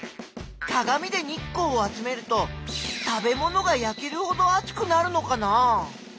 かがみで日光を集めると食べ物がやけるほどあつくなるのかな？